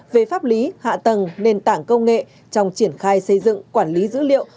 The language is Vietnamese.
về pháp lý hạ tầng nền tảng công nghệ trong triển khai xây dựng quản lý dữ liệu